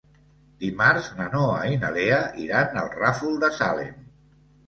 Dimarts na Noa i na Lea iran al Ràfol de Salem.